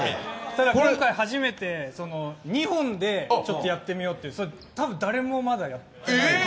ただ今回初めて２本でやってみようって、多分誰もまだやってない。